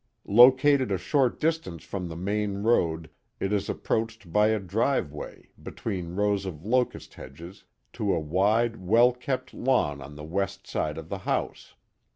Located a short distance from the main road, it is approached by a driveway, between rows of locust hedges, to a wide, well kept lawn on the west side of the house.